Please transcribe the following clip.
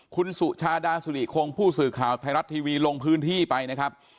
คุณสุชาดาสุริคงผู้สื่อข่าวไทยรัฐทีวีลงพื้นที่ไปนะครับ